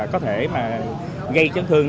có thể gây chấn thương